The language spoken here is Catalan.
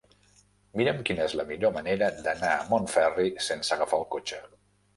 Mira'm quina és la millor manera d'anar a Montferri sense agafar el cotxe.